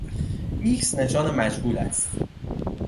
ایکس نشان مجهول است.